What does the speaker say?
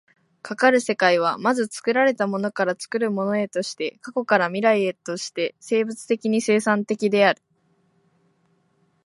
かかる世界は、まず作られたものから作るものへとして、過去から未来へとして生物的に生産的である。